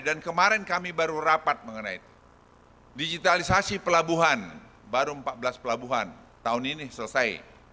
dan kemarin kami baru rapat mengenai digitalisasi pelabuhan baru empat belas pelabuhan tahun ini selesai